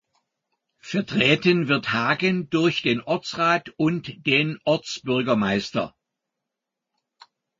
Vertreten wird Hagen durch den Ortsrat und den Ortsbürgermeister.